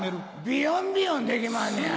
ビユンビユンできまんねや。